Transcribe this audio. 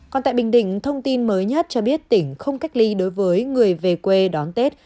còn tại bình định thông tin mới nhất cho biết tỉnh không cách ly đối với người về quê đón tết